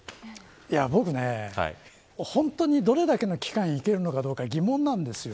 僕、本当にどれだけの期間いけるのかどうか疑問なんですよ。